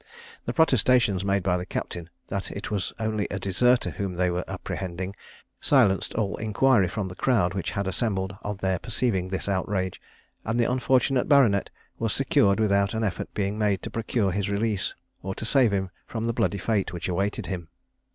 The protestations made by the captain, that it was only a deserter whom they were apprehending, silenced all inquiry from the crowd which had assembled on their perceiving this outrage, and the unfortunate baronet was secured without an effort being made to procure his release, or to save him from the bloody fate which awaited him.